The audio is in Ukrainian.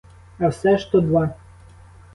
А все ж то два.